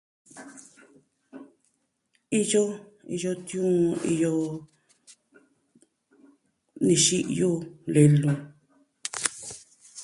Iyo, iyo tiuun, iyo nixi'yu, lelu.